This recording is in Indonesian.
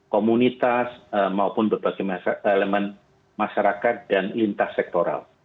komunitas maupun berbagai elemen masyarakat dan lintas sektoral